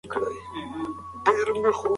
ټولنپوهنه ټوله انساني ټولنه مطالعه کوي.